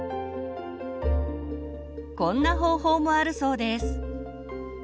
こんな方法もあるそうです。